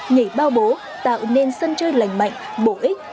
nhảy bao bố tạo nên sân chơi lành mạnh bổ ích